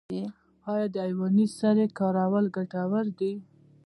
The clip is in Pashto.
آیا د حیواني سرې کارول ګټور دي؟